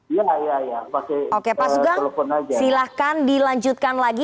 iya iya pak sugeng silahkan dilanjutkan lagi